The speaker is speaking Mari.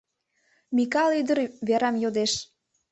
Микал ӱдыр Верам йодеш.